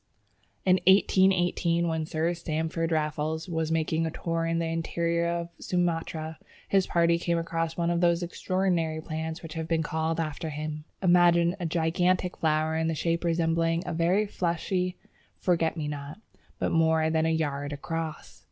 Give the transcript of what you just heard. In 1818, when Sir Stamford Raffles was making a tour in the interior of Sumatra, his party came across one of those extraordinary plants which have been called after him. Imagine a gigantic flower in shape resembling a very fleshy forget me not, but more than a yard across!